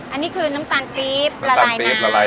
อันนี้คือน้ำตาลปี๊บละลายน้ำ